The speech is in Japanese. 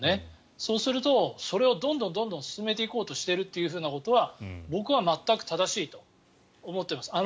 そうすると、それをどんどん進めていこうとしていることは僕は全く正しいと思っています。